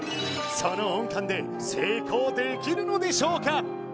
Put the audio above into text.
その音感で成功できるのでしょうか？